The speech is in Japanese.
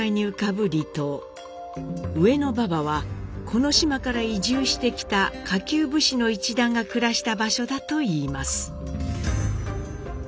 上之馬場はこの島から移住してきた下級武士の一団が暮らした場所だといいます。